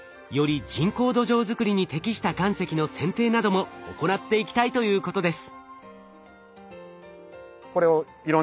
人工土壌作りに適した岩石の選定なども行っていきたいということです。